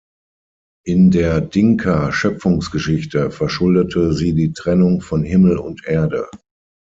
In der Dinka-Schöpfungsgeschichte verschuldete sie die Trennung von Himmel und Erde.